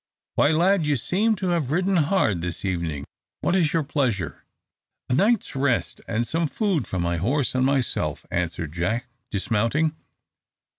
"Why, lad, you seem to have ridden hard this evening! What is your pleasure?" "A night's rest, and some food for my horse and myself," answered Jack, dismounting.